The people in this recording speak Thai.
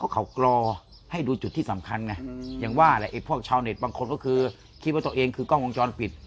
เขากรอให้ดูจุดที่สำคัญไงอย่างว่าแหละไอ้พวกชาวเน็ตบางคนก็คือคิดว่าตัวเองคือกล้องวงจรปิด